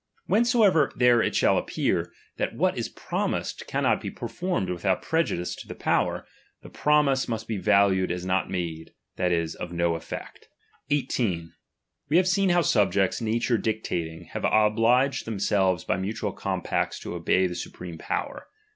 When soever therefore it shall appear, that what is pro mised cannot be performed without prejudice to the power, the promise must be valued as not made, that is, of no effect. 18. We have seen how subjects, nature dicta ting, have obliged themselues by mutual compacts to obey the supreme power.